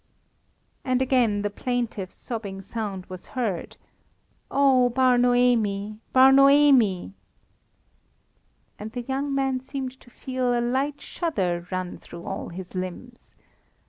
And again the plaintive, sobbing sound was heard "Oh, Bar Noemi! Bar Noemi!" And the young man seemed to feel a light shudder run through all his limbs.